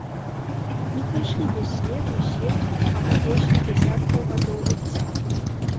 Не прайшлі без следу сем, а мо восем дзесяткаў гадоў жыцця.